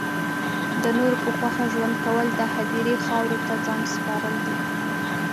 د نورو په خوښه ژوند کول د هدیرې خاورو ته ځان سپارل دی